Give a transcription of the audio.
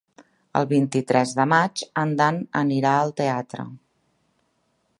El vint-i-tres de maig en Dan anirà al teatre.